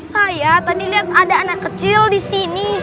saya tadi liat ada anak kecil disini